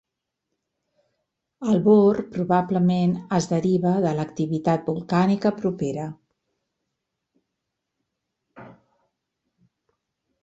El bor probablement es deriva de l'activitat volcànica propera.